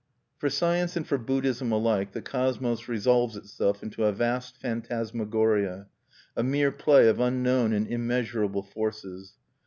_" For science and for Buddhism alike the cosmos resolves itself into a vast phantasmagoria, a mere play of unknown and immeasurable forces.